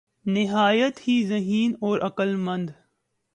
نہایت ہی ذہین اور عقل مند